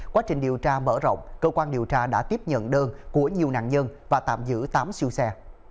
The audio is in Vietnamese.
quá trình điều tra mở rộng cơ quan điều tra đã tiếp nhận đơn của nhiều nạn nhân và tạm giữ tám siêu xe